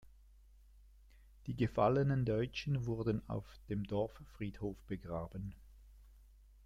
Die gefallenen Deutschen wurden auf dem Dorffriedhof begraben.